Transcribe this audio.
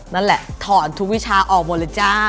นั่นแหละถอนทุกวิชาออกหมดเลยจ้า